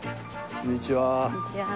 こんにちは。